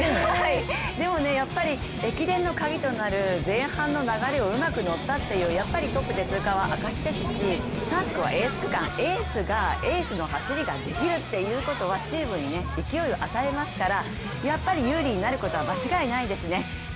でもやっぱり駅伝の鍵となる前半の流れをうまくのったというやっぱりトップで通過は証しですし、エースがエースの走りができるということはチームに勢いを与えますから、有利になることは間違いないですね。